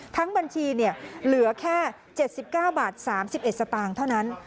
ทั้งบัญชีเนี่ยเหลือแค่เจ็ดสิบเก้าบาทสามสิบเอ็ดสตางค์เท่านั้น